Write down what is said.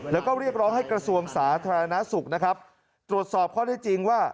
แล้วก็เรียกร้องให้กระทรวงสาธารณสุขนะครับตรวจสอบข้อได้จริงว่า